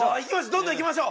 どんどんいきましょう！